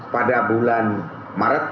pada bulan maret